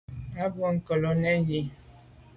À wat nkelo nèn yi.